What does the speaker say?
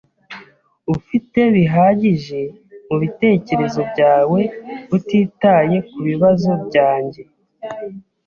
Ufite bihagije mubitekerezo byawe utitaye kubibazo byanjye.